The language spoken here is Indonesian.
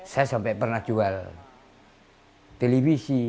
saya sampai pernah jual televisi